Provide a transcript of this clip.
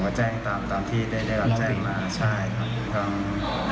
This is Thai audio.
ผมก็แจ้งตามที่ได้รับแจ้งมา